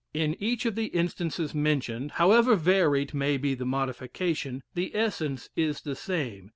In each of the instances mentioned, however varied may be the modification, the essence is the same.